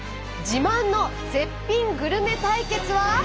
自慢の絶品グルメ対決は。